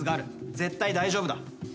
絶対大丈夫だ。